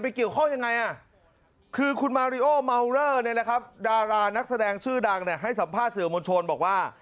ภาระนักแสดงชื่อดังเนี่ยให้สัมภาษณ์เสือมวลชนบอกว่า